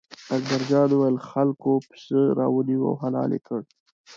اکبر جان وویل: خلکو پسه را ونیوه او حلال یې کړ.